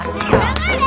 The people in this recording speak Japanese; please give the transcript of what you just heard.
黙れ！